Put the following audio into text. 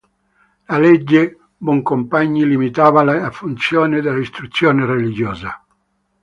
La legge Boncompagni limitava le funzioni dell'istruzione religiosa.